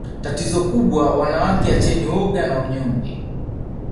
Tatizo kubwa wanawake acheni woga na unyonge